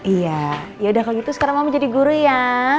iya yaudah kalau gitu sekarang mau jadi guru ya